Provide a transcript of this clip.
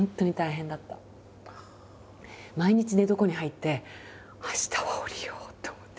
毎日寝床に入って明日は下りようって思って。